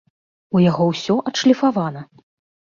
У яго усё адшліфавана!